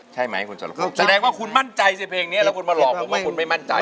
ใช่ไหมคุณสรพงศ์แสดงว่าคุณมั่นใจสิเพลงนี้แล้วคุณมาหลอกผมว่าคุณไม่มั่นใจ